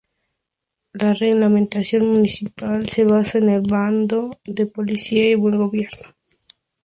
La reglamentación municipal se basa en el Bando de policía y buen gobierno.